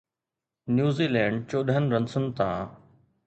New Zealand چوڏهن رنسن تان